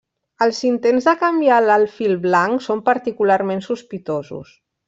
Els intents de canviar l'alfil blanc són particularment sospitosos.